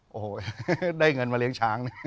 โอ้โหได้เงินมาเลี้ยงช้างนะ